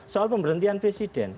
soal pemberhentian presiden